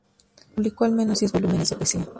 Publicó al menos diez volúmenes de poesía.